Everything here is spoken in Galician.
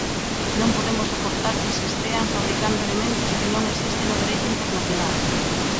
Non podemos soportar que se estean fabricando elementos que non existen no Dereito Internacional.